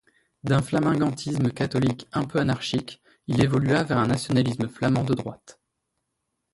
D'un flamingantisme catholique un peu anarchique, il évolua vers un nationalisme flamand de droite.